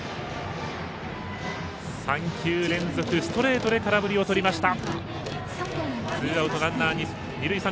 ３球連続ストレートで空振りをとりました。